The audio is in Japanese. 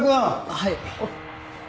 はい。